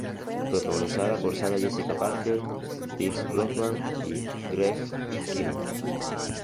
Protagonizada por Sarah Jessica Parker, Pierce Brosnan y Greg Kinnear.